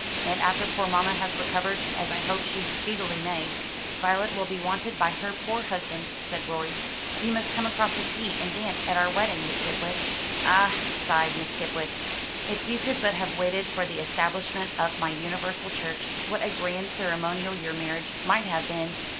"And after poor mamma has recovered, as I hope she speedily may, Violet will be wanted by her poor husband," said Rorie. "You must come across the sea and dance at our wedding, Miss Skipwith." "Ah," sighed Miss Skipwith, "if you could but have waited for the establishment of my universal church, what a grand ceremonial your marriage might have been!"